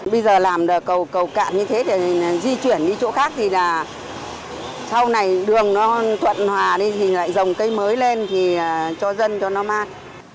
bây giờ làm được cầu cầu cạn như thế để di chuyển đi chỗ khác thì là sau này đường nó thuận hòa đi thì lại dòng cây mới lên thì cho dân cho nó mát